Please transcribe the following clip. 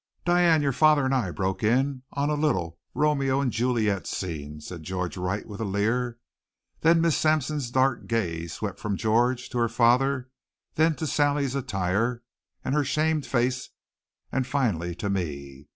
"Diane, your father and I broke in on a little Romeo and Juliet scene," said George Wright with a leer. Then Miss Sampson's dark gaze swept from George to her father, then to Sally's attire and her shamed face, and finally to me.